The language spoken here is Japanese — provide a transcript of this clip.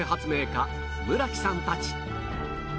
家村木さんたち